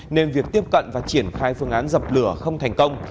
nên việc tiếp cận và triển khai phương án dập lửa không thành công